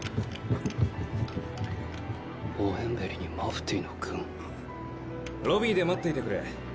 オエンベリにマフティーの軍？ロビーで待っていてくれ。